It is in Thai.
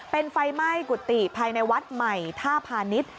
เป็นไฟไหม้กุฏิภายในวัดใหม่ท่าพาณิชย์